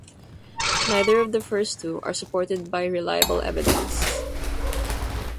Neither of the first two are supported by reliable evidence.